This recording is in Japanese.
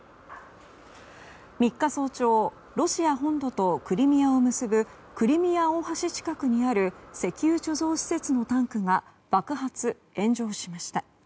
３日早朝、ロシア本土とクリミアを結ぶクリミア大橋近くにある石油貯蔵施設のタンクが爆発・炎上しました。